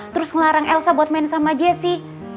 terus ngelarang elsa buat main sama jessi